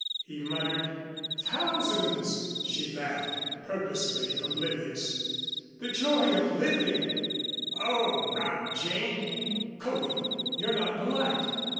he muttered. "Thousands," she laughed, purposely oblivious. "The joy of living " "Oh, rot, Jane!" "Coley! You're not polite!"